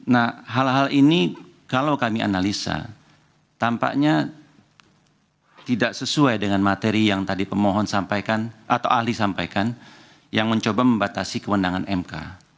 nah hal hal ini kalau kami analisa tampaknya tidak sesuai dengan materi yang tadi pemohon sampaikan atau ahli sampaikan yang mencoba membatasi kewenangan mk